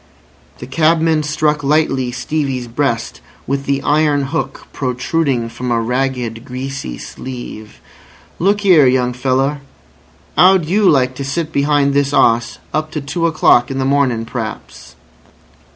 The cabman struck lightly Stevie's breast with the iron hook protruding from a ragged, greasy sleeve. "Look 'ere, young feller. 'Ow'd you like to sit behind this 'oss up to two o'clock in the morning p'raps?"